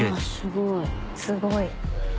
すごい。